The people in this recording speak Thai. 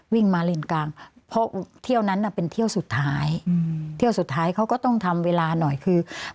วิ่งมาเลนกลางเพราะเที่ยวนั้นน่ะเป็นเที่ยวสุดท้ายเที่ยวสุดท้ายเขาก็ต้องทำเวลาหน่อยคือ